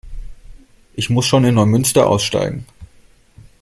Ich muss schon in Neumünster aussteigen